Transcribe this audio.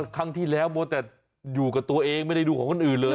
วันที่แรกแต่อยู่ตัวเองไม่ได้ดูของคนอื่นเลย